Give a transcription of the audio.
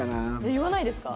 言えないですか？